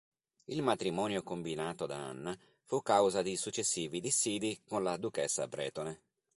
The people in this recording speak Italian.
Il matrimonio combinato da Anna fu causa di successivi dissidi con la duchessa bretone.